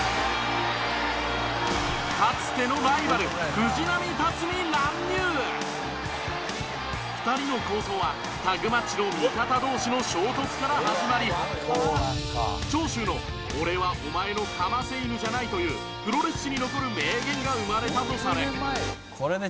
かつての２人の抗争はタッグマッチの味方同士の衝突から始まり長州の「俺はお前のかませ犬じゃない」というプロレス史に残る名言が生まれたとされ